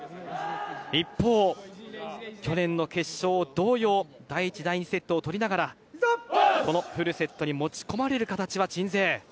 一方、去年の決勝同様第１、第２セットを取りながらこのフルセットに持ち込まれる形は鎮西。